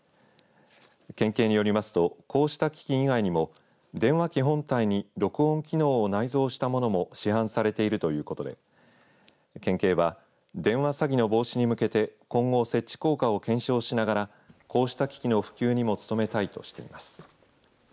県警によりますとこうした機器以外にも電話機本体に録音機能を内蔵したものも市販されているということで県警は電話詐欺の防止に向けて今後、設置効果を検証しながらこうした機器の普及にも努めたいとしています。